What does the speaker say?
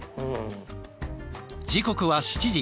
時刻は７時。